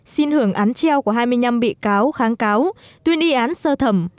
xin hưởng án treo của hai mươi năm bị cáo kháng cáo tuyên y án sơ thẩm